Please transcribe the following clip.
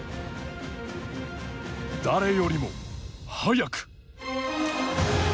誰よりも、速く。